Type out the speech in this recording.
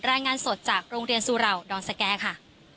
รายงานสดจากโรงเรียนสุเหล่าดอนสแก่ค่ะ